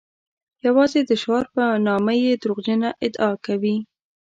یوازې د شعار په نامه یې دروغجنه ادعا کوي.